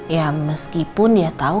ya meskipun dia tau